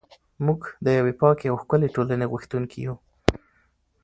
موږ د یوې پاکې او ښکلې ټولنې غوښتونکي یو.